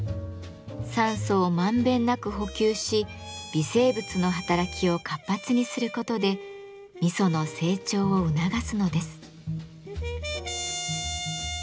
酸素をまんべんなく補給し微生物の働きを活発にすることで味噌の成長を促すのです。